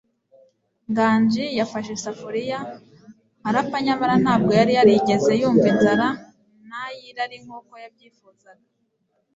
Nganji yafashe isafuriya, arapfa, nyamara ntabwo yari yarigeze yumva inzara, nay - irari, nkuko yabyifuzaga.